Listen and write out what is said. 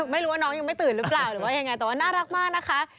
ไม่รู้ว่าน้องยังไม่ตื่นหรือเปล่าแต่ว่าน่ารักมากนะคะ